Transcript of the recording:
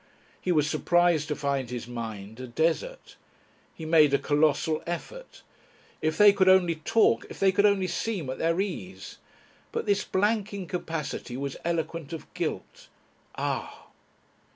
He was surprised to find his mind a desert. He made a colossal effort. If they could only talk, if they could only seem at their ease! But this blank incapacity was eloquent of guilt. Ah!